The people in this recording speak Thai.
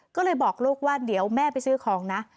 ก็เลยบอกลูกว่าเดี๋ยวแม่ไปซื้อของนะ